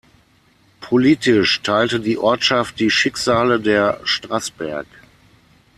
Politisch teilte die Ortschaft die Schicksale der Strassberg.